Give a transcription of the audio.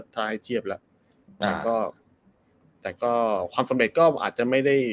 ถ้าให้เทียบแล้วแต่ก็แต่ก็ความสำเร็จก็อาจจะไม่ได้